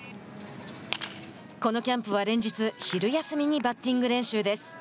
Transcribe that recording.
このキャンプは連日昼休みにバッティング練習です。